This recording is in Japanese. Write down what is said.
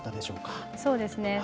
そうですね。